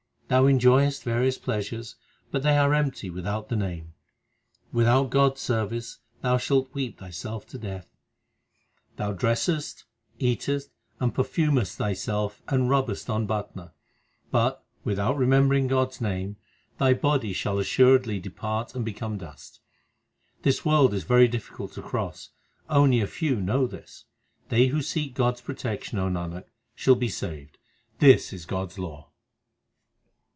Thou enjoyest various pleasures, but they are empty without the Name. Without God s service thou shalt weep thyself to death. Thou dressest, eatest, and perfumest thyself and rubbest on batna, 1 1 An Oriental soap used to make the skin soft and delicate. HYMNS OF GURU ARJAN 303 But, without remembering God s name, thy body shall assuredly depart and become dust. This world is very difficult to cross : only a few know this. They who seek God s protection, O Nanak, shall be saved ; this is God s law.